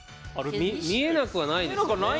見えなくはないですよね。